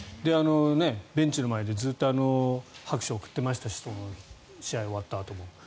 ベンチの前でずっと拍手を送っていましたし試合終わったあとも。